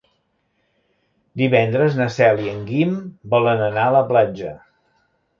Divendres na Cel i en Guim volen anar a la platja.